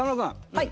はい。